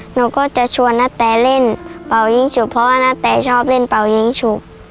หนูก็จะชวนนัสแทน่าเล่นฝัวยิ้งฉุบ